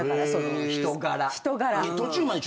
人柄。